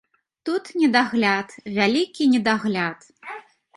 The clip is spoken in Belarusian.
Тут недагляд, вялікі недагляд.